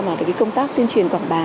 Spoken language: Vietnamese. mà cái công tác tuyên truyền quảng bá